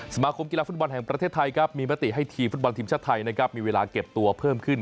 สมาคมกีฬาฟุตบอลแห่งประเทศไทยครับมีมติให้ทีมฟุตบอลทีมชาติไทยนะครับมีเวลาเก็บตัวเพิ่มขึ้น